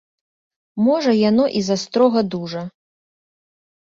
Можа, яно і застрога дужа.